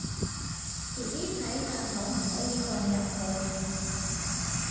遲啲睇下可唔可以放入去